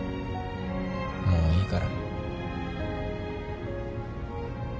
もういいから。